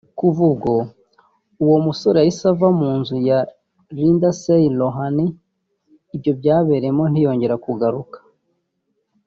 kuva ubwo uwo musore yahise ava mu nzu ya Lindsay Lohan ibyo byabereyemo ntiyongera kugaruka